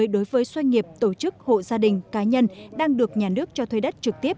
đối với doanh nghiệp tổ chức hộ gia đình cá nhân đang được nhà nước cho thuê đất trực tiếp